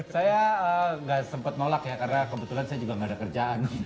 saya nggak sempat nolak ya karena kebetulan saya juga nggak ada kerjaan